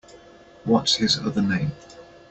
What’s his other name?